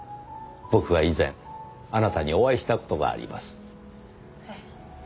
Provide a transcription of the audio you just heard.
僕は以前あなたにお会いした事があります。え？